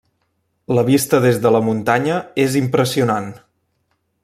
La vista des de la muntanya és impressionant.